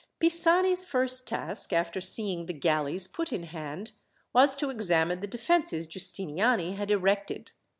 Pisani's first task, after seeing the galleys put in hand, was to examine the defences Giustiniani had erected.